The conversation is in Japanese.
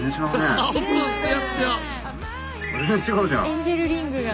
エンジェルリングが！